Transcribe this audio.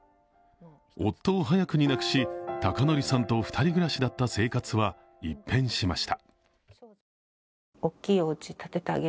夫を早くに亡くし、孝徳さんと２人暮らしだった生活は一変しました。